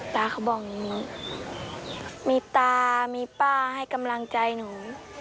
เขาบอกอย่างนี้มีตามีป้าให้กำลังใจหนู